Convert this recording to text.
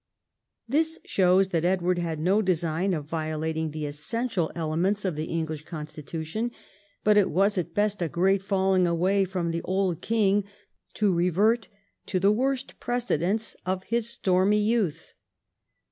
This shows that Edward had no design of violating the essential elements of the English constitu tion, but it was at best a great falling away for the old king to revert to the worst precedents of his stormy youth.